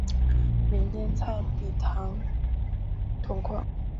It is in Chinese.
缅甸莱比塘铜矿。